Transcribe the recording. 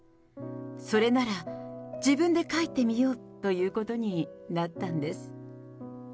それなら、自分で書いてみようということになったんです。